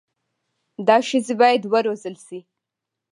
دا ښځي بايد و روزل سي